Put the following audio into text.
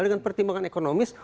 dengan pertimbangan ekonomis